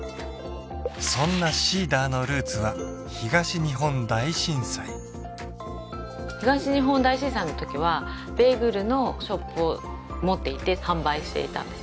そんなＳｅｅｄｅｒのルーツは東日本大震災東日本大震災のときはベーグルのショップを持っていて販売していたんですね